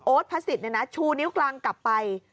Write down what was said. โอ๊ตพระสิทธิ์เนี่ยนะชูนิ้วกลางกลับไป